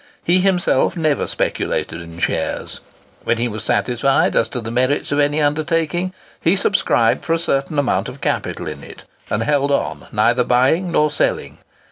He himself never speculated in shares. When he was satisfied as to the merits of any undertaking, he subscribed for a certain amount of capital in it, and held on, neither buying nor selling.